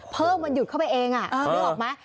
วันหยุดเข้าไปเองนึกออกไหม